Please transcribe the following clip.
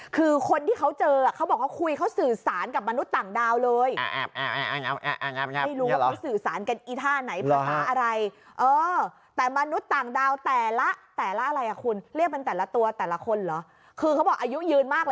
คือคนที่เขาเจอเขาบอกว่าคุยเขาสื่อสารกับมนุษย์ต่างดาวเลย